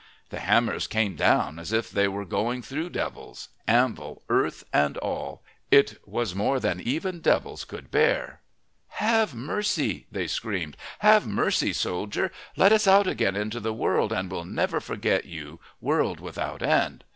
The hammers came down as if they were going through devils, anvil, earth, and all. It was more than even devils could bear. "Have mercy!" they screamed. "Have mercy, soldier! Let us out again into the world, and we'll never forget you world without end.